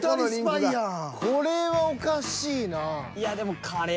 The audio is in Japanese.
これはおかしいな。